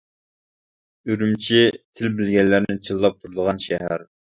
ئۈرۈمچى تىل بىلگەنلەرنى چىللاپ تۇرىدىغان شەھەر.